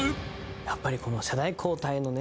やっぱり世代交代のね